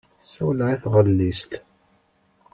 Ssawleɣ i tɣellist.